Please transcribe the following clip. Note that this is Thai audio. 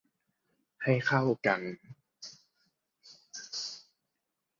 ให้เข้ากัน